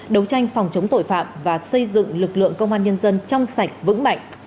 đấu tranh phòng chống tội phạm và xây dựng lực lượng công an nhân dân trong sạch vững mạnh